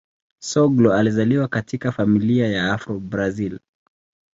Soglo alizaliwa katika familia ya Afro-Brazil.